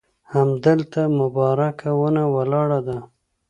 همدلته مبارکه ونه ولاړه ده.